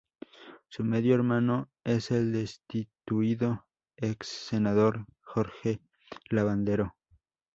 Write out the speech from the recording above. Su medio hermano es el destituido ex-senador Jorge Lavandero.